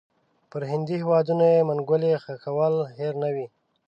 پر هندي هیوادونو یې منګولې ښخول هېر نه وي.